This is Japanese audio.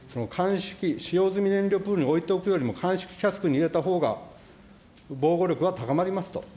使用済み燃料プールに置いておくよりも、乾式キャスクに入れておいた方が、防護力は高まりますと。